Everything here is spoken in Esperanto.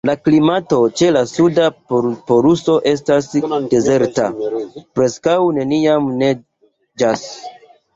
La klimato ĉe la Suda poluso estas dezerta: preskaŭ neniam neĝas.